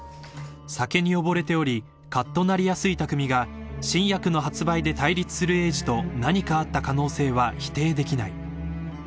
［酒に溺れておりかっとなりやすい拓未が新薬の発売で対立する栄治と何かあった可能性は否定できない］